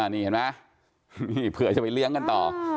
นี่เห็นไหมเผื่อจะไปเลี้ยงกันต่อ